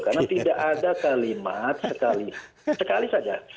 karena tidak ada kalimat sekali sekali saja